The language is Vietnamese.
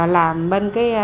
làm bên cái